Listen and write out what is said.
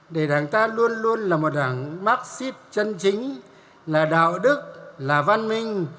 để đảng ta luôn luôn là một đảng marxstist chân chính là đạo đức là văn minh